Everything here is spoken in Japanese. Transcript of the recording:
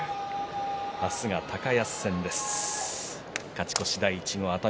明日は高安戦です。